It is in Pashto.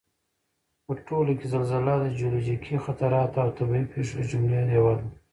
په ټوله کې زلزله د جیولوجیکي خطراتو او طبعي پېښو له جملې یوه ده